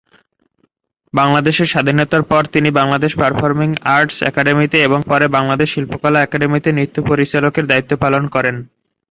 বাংলাদেশের স্বাধীনতার পর তিনি বাংলাদেশ পারফর্মিং আর্টস একাডেমিতে এবং পরে বাংলাদেশ শিল্পকলা একাডেমিতে নৃত্য পরিচালকের দায়িত্ব পালন করেন।